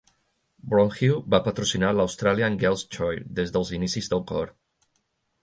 Bronhill va patrocinar l'Australian Girls Choir des dels inicis del cor.